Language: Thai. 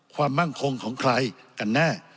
มั่งคงของใครกันแน่